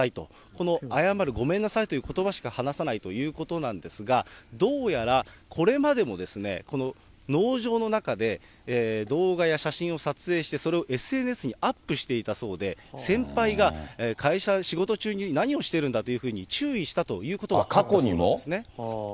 この謝る、ごめんなさいということばしか話さないということなんですが、どうやら、これまでもこの農場の中で、動画や写真を撮影して、それをＳＮＳにアップしていたそうで、先輩が会社、仕事中に何をしているんだというふうに注意したということもあっ過去にも？